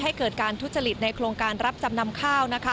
ให้เกิดการทุจริตในโครงการรับจำนำข้าว